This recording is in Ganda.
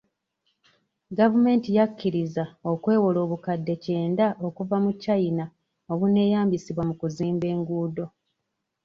Gavumenti yakkirizza okwewola obukadde kyenda okuva mu China obuneeyambisibwa mu kuzimba enguudo.